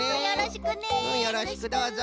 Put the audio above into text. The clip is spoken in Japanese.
よろしくどうぞ。